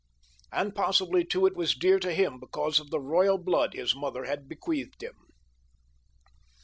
And possibly, too, it was dear to him because of the royal blood his mother had bequeathed him.